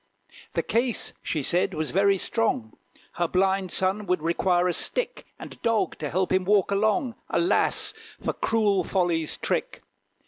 The case, she said, was very strong: Her blind son would require a stick And dog, to help him walk along. Alas! for cruel Folly's trick.